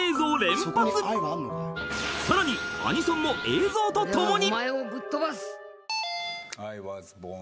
［さらにアニソンも映像と共に！］